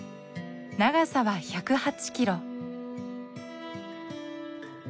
長さは１０８キロ。